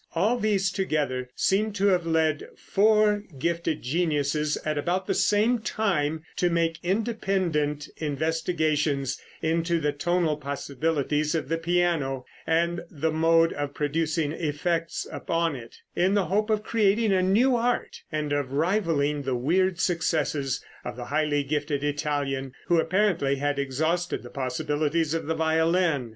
All these together seem to have led four gifted geniuses at about the same time to make independent investigations into the tonal possibilities of the piano, and the mode of producing effects upon it, in the hope of creating a new art, and of rivaling the weird successes of the highly gifted Italian, who apparently had exhausted the possibilities of the violin.